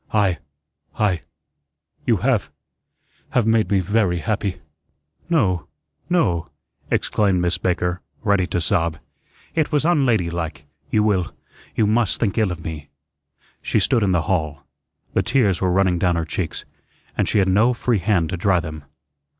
I I you have have made me very happy." "No, no," exclaimed Miss Baker, ready to sob. "It was unlady like. You will you must think ill of me." She stood in the hall. The tears were running down her cheeks, and she had no free hand to dry them.